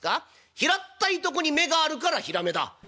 「平ったいとこに目があるからひらめだ」。